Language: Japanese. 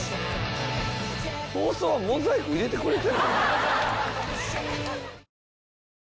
放送はモザイク入れてくれてんのかな？